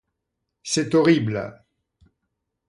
C'est horrible.